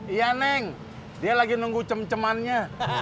iya neng dia lagi nunggu cem cemannya